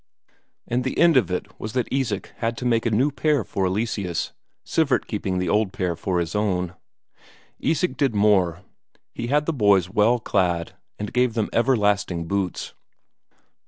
And the end of it was that Isak had to make a new pair for Eleseus, Sivert keeping the old pair for his own. Isak did more; he had the boys well clad, and gave them everlasting boots.